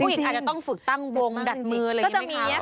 อาจจะต้องฝึกตั้งวงดัดมืออะไรอย่างนี้ค่ะ